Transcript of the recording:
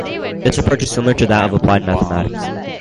This approach is similar to that of applied mathematics.